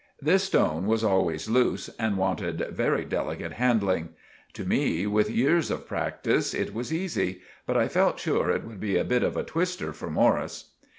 This stone was allways loose and wanted very delicate handling. To me, with years of practice, it was eesy; but I fealt sure it would be a bit of a twister for Morris.